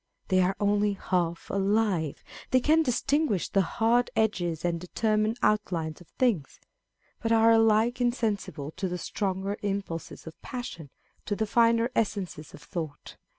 They are only half alive. They can distinguish the hard edges and determinate outline of 348 On People of Sense. things ; but are alike insensible to the stronger impulses of passion, to the finer essences of thought.